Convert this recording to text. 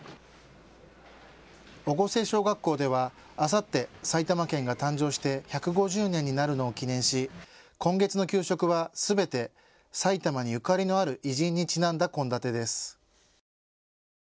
越生小学校ではあさって、埼玉県が誕生して１５０年になるのを記念し今月の給食はすべて埼玉にゆかりのある偉人にちなんだ献立です。